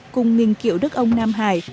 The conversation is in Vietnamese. cùng nghiên cựu đức ông nam hải